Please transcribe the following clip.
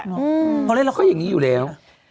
เพราะเล่นละครอย่างนี้อยู่แล้ว